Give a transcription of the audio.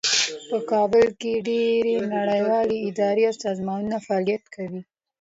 په کابل کې ډیرې نړیوالې ادارې او سازمانونه فعالیت کوي